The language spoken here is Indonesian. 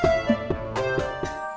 saya buzz inuuubei fatah